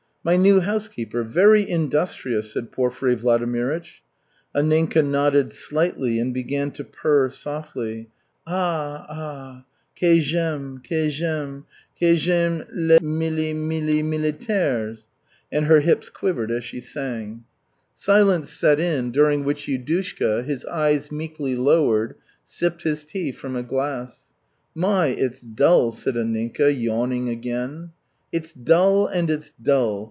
"My new housekeeper very industrious," said Porfiry Vladimirych. Anninka nodded slightly and began to purr softly: "Ah, ah! que j'aime que j'aime que j'aime les mili mili mili taires!" and her hips quivered as she sang. Silence set in, during which Yudushka, his eyes meekly lowered, sipped his tea from a glass. "My, it's dull!" said Anninka, yawning again. "It's dull, and it's dull!